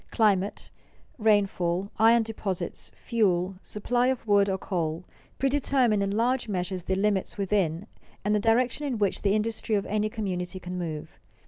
Climate, rainfall, iron deposits, fuel, supply of wood or coal, predetermine in large measure the limits within, and the direction in which, the industry of any community can move.